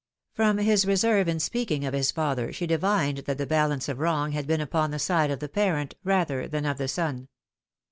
From his reserve in speaking of his father she divined that the balance of wrong had been upon the side of the parent rather than of the son.